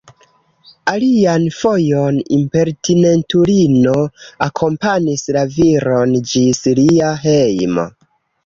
Alian fojon impertinentulino akompanis la viron ĝis lia hejmo.